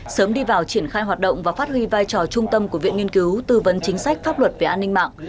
sớm đi vào triển khai hoạt động và phát huy vai trò trung tâm của viện nghiên cứu tư vấn chính sách pháp luật về an ninh mạng